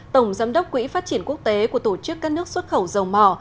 tổng giám đốc quỹ phát triển quốc tế của tổ chức các nước xuất khẩu dầu mỏ